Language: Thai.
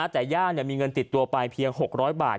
แต่ย่ามีเงินติดตัวไปเพียง๖๐๐บาท